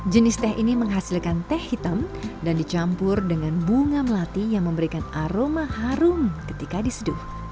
jenis teh ini menghasilkan teh hitam dan dicampur dengan bunga melati yang memberikan aroma harum ketika diseduh